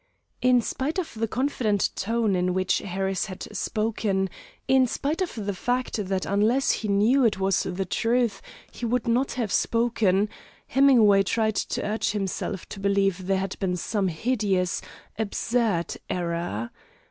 In spite of the confident tone in which Harris had spoken, in spite of the fact that unless he knew it was the truth, he would not have spoken, Hemingway tried to urge himself to believe there had been some hideous, absurd error.